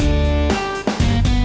ya itu dia